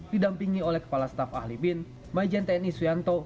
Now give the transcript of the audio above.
didampingi oleh kepala staf ahli bin majen tni suyanto